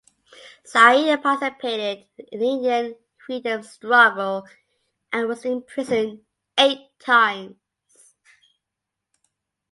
Saeed participated in the Indian freedom struggle and was imprisoned eight times.